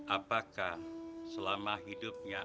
apakah selama hidupnya